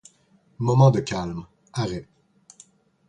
Moment de calme. Arrêt.